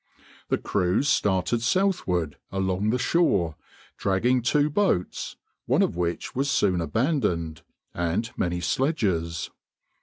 The crews started southward along the shore, dragging two boats (one of which was soon abandoned) and many sledges.